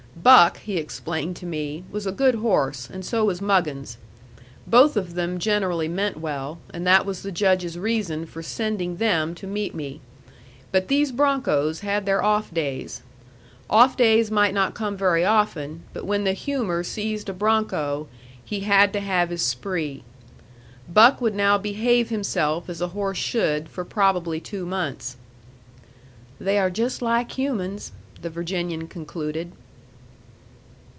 Buck, he explained to me, was a good horse, and so was Muggins. Both of them generally meant well, and that was the Judge's reason for sending them to meet me. But these broncos had their off days. Off days might not come very often; but when the humor seized a bronco, he had to have his spree. Buck would now behave himself as a horse should for probably two months. "They are just like humans," the Virginian concluded.